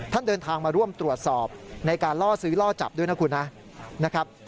เดินทางมาร่วมตรวจสอบในการล่อซื้อล่อจับด้วยนะคุณนะครับ